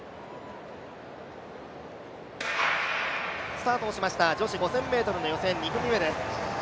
スタートをしました女子５０００ｍの予選２組目です。